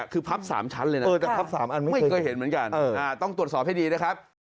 คือพับ๓ชั้นเลยนะแต่พับ๓อันไม่เคยเห็นเหมือนกันต้องตรวจสอบให้ดีนะครับ